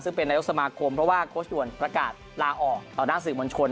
ซึ่งเป็นนายกสมาคมเพราะว่าโค้ชด่วนประกาศลาออกต่อหน้าสื่อมวลชน